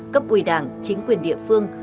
cấp ủy đảng chính quyền địa phương